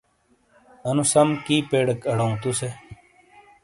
انُو سَم کی پیڈک اڑؤں تُسے۔